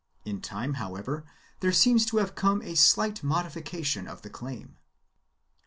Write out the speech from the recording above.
2 In time, however, there seems to have come a slight modification of the claim.